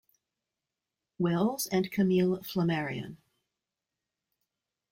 Wells and Camille Flammarion.